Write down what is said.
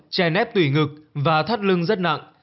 che nét tủy ngực và thắt lưng rất nặng